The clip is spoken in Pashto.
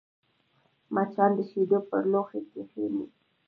مچان د شیدو پر لوښي کښېني